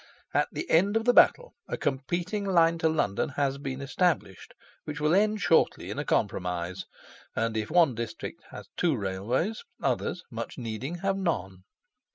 At the end of the battle, a competing line to London has been established, which will end shortly in a compromise; and, if one district has two railways, others, much needing, have none.